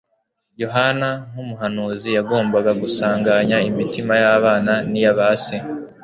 Yohana nk'umuhanuzi yagombaga "gusanganya imitima y'abana n'iya ba se,